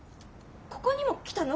ここにも来たの？